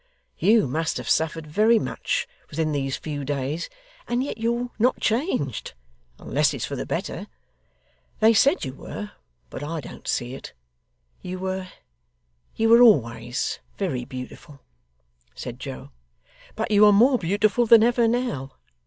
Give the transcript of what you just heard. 'You must have suffered very much within these few days and yet you're not changed, unless it's for the better. They said you were, but I don't see it. You were you were always very beautiful,' said Joe, 'but you are more beautiful than ever, now.